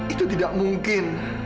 itu tidak mungkin